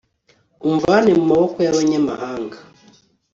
umvane mu maboko y'abanyamahanga